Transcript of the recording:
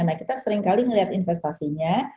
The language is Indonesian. nah kita seringkali melihat investasinya